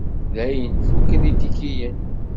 Dayen, fukken itikiyen.